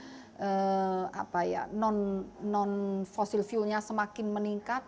untuk kandungan non fossil fuelnya semakin meningkat